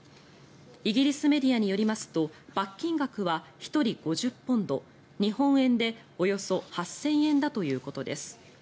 イギリスメディアによりますと罰金額は１人５０ポンド日本円でおよそ８０００円だということです。